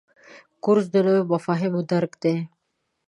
کورس د نویو مفاهیمو درک دی.